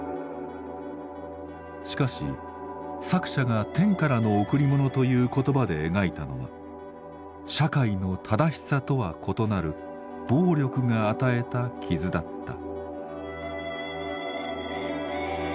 しかし作者が天からの贈り物という言葉で描いたのは社会の「正しさ」とは異なる「暴力」が与えた傷だった。